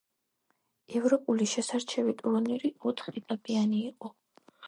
ევროპული შესარჩევი ტურნირი ოთხ ეტაპიანი იყო.